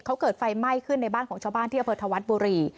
เขาเกิดไฟไหม้ขึ้นในบ้านของชาวบ้านที่อำเภอธวัฒน์บุรี